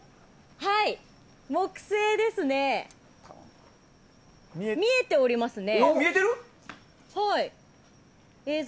木星ですね、見えておりますね。